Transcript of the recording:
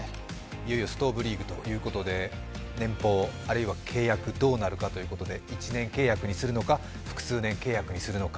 ストーブリーグということで年俸あるいは契約どうなるかということで、１年契約にするのか、複数年契約にするのか。